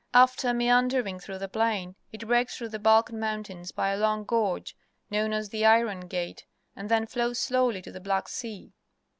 After meandering through the Plain, it breaks through the Balkan Mountains by a long gorge, known as the Iron Gate, and then flows slowly to the Black Sea.